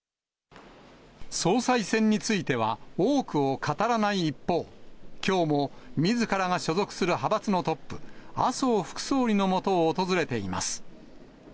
総裁選については、多くを語らない一方、きょうもみずからが所属する派閥のトップ、麻生副総理のもとを訪れています。